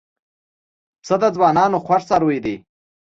پسه د ځوانانو خوښ څاروی دی.